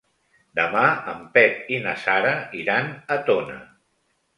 Demà en Pep i na Sara iran a Tona.